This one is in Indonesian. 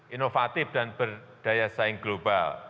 inovatif dan berdaya saing global